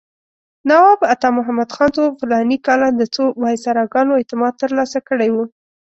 نواب عطامحمد خان څو فلاني کاله د څو وایسراګانو اعتماد ترلاسه کړی و.